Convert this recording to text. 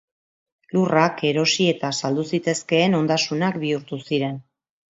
Lurrak erosi eta saldu zitezkeen ondasunak bihurtu ziren.